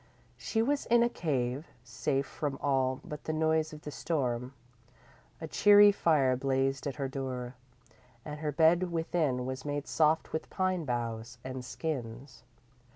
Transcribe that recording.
_ _She was in a cave, safe from all but the noise of the storm. A cheery fire blazed at her door, and her bed within was made soft with pine boughs and skins.